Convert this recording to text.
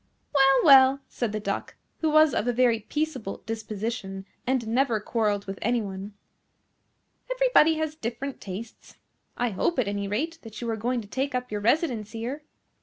"Well, well," said the Duck, who was of a very peaceable disposition, and never quarrelled with any one, "everybody has different tastes. I hope, at any rate, that you are going to take up your residence here."